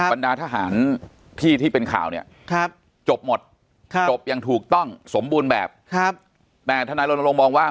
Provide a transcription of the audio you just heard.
ปัญหาทหารที่เป็นข่าวเนี่ยจบหมดจบยังถูกต้องสมบูรณ์แบบแม้ธนายลงบอกว่า